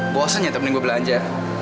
bosan ya temen gue belanja